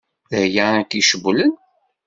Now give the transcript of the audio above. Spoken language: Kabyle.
D aya i k-icewwlen?